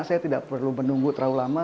saya tidak perlu menunggu terlalu lama